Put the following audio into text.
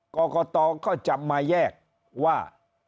กรกตก็จะมาแยกว่า